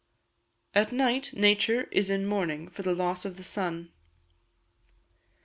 [AT NIGHT NATURE IS IN MOURNING FOR THE LOSS OF THE SUN.